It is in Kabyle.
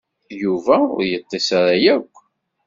Yuba ur yeṭṭis ara akk.